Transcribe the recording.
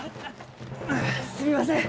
すみません。